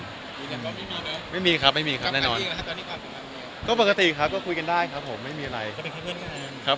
อืมไม่มีครับไม่มีครับไม่มีครับแน่นอนตอนนี้ก็คุยกันได้ไหมครับ